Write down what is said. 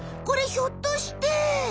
これひょっとして。